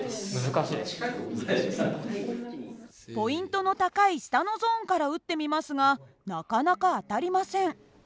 ポイントの高い下のゾーンから撃ってみますがなかなか当たりません。